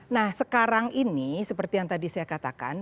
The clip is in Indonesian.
nah sekarang ini seperti yang tadi saya katakan